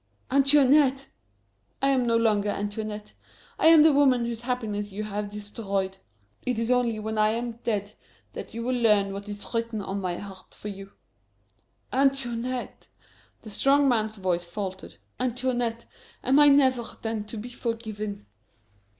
"Antoinette!" "I am no longer Antoinette; I am the woman whose happiness you have destroyed. It is only when I am dead that you will learn what is written on my heart for you." "Antoinette," the strong man's voice faltered, "Antoinette, am I never, then, to be forgiven?"